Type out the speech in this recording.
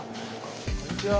こんにちは！